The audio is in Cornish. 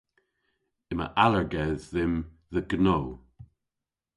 Yma allergedh dhymm dhe gnow.